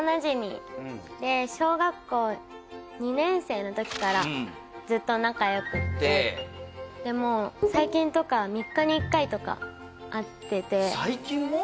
小学校２年生のときからずっと仲良くってでもう最近とか３日に１回とか会ってて最近も？